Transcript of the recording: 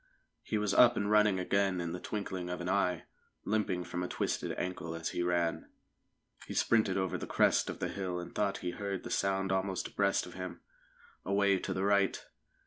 He was up and running again in the twinkling of an eye, limping from a twisted ankle as he ran. He sprinted over the crest of the hill and thought he heard the sound almost abreast of him, away to the right.